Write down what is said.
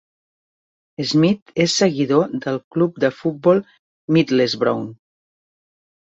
Smith és seguidor del club de futbol Middlesbrough.